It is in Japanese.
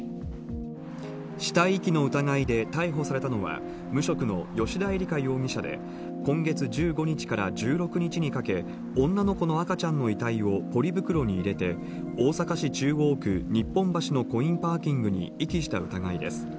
死体遺棄の疑いで逮捕されたのは、無職の吉田絵里佳容疑者で、今月１５日から１６日にかけ、女の子の赤ちゃんの遺体をポリ袋に入れて、大阪市中央区日本橋のコインパーキングに遺棄した疑いです。